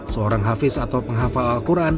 seorang hafiz atau penghafal al quran